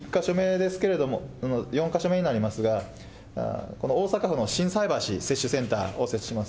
１か所目ですけれども、４か所目になりますが、この大阪府の心斎橋、接種センターを設置します。